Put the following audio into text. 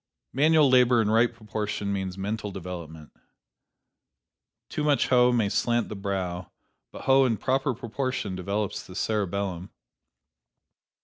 Manual labor in right proportion means mental development. Too much hoe may slant the brow, but hoe in proper proportion develops the cerebellum.